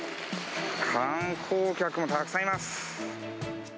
観光客もたくさんいます。